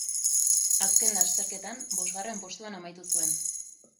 Azken lasterketan bosgarren postuan amaitu zuen.